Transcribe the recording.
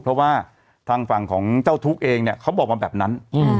เพราะว่าทางฝั่งของเจ้าทุกข์เองเนี่ยเขาบอกมาแบบนั้น